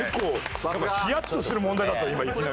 ヒヤッとする問題だった今いきなり。